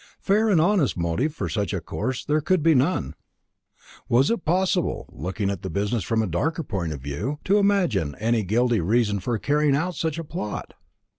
Fair and honest motive for such a course there could be none. Was it possible, looking at the business from a darker point of view, to imagine any guilty reason for the carrying out of such a plot?